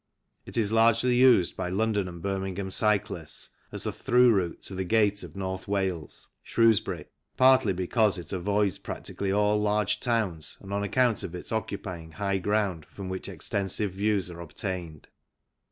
It is largely used by London and Birmingham cyclists as a through route to the gate of North Wales (Shrews bury), partly because it avoids practically all large towns and on account of its occupying high ground from which extensive views are obtained.